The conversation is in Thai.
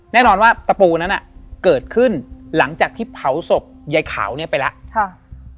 แน่นอนว่าตะปูนั้นเกิดขึ้นหลังจากที่เผาศพยายขาวเนี่ยไปแล้วค่ะ